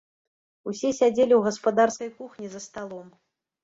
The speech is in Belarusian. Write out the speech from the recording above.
Усе сядзелі ў гаспадарскай кухні за сталом.